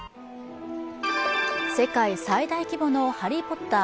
世界最大規模の「ハリー・ポッター」